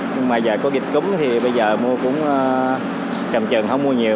nhưng mà giờ có dịch cúng thì bây giờ mua cũng cầm chừng không mua nhiều